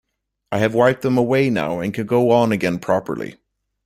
I have wiped them away now and can go on again properly.